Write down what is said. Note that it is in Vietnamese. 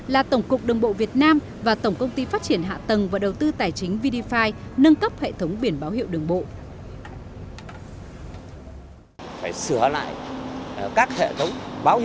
là tổng cục đường bộ việt nam và tổng công ty phát triển hạ tầng và đầu tư tài chính vdfi nâng cấp hệ thống biển báo hiệu đường bộ